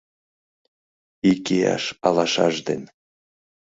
Ик ияш алашаж ден